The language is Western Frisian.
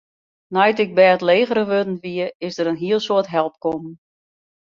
Nei't ik bêdlegerich wurden wie, is der in hiel soad help kommen.